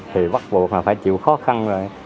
thì bắt buộc là phải chịu khó khăn rồi